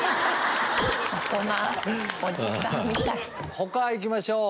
他行きましょう！